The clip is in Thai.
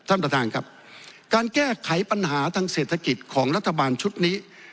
ท่านประธานครับการแก้ไขปัญหาทางเศรษฐกิจของรัฐบาลชุดนี้